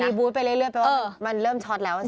มันรีบุ๊ทไปเรื่อยมันเริ่มชอล์ดแล้วสิ